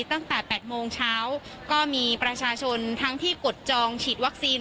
ตั้งแต่๘โมงเช้าก็มีประชาชนทั้งที่กดจองฉีดวัคซีน